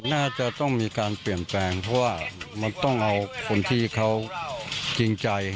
น่าจะต้องมีการเปลี่ยนแปลงเพราะว่ามันต้องเอาคนที่เขาจริงใจ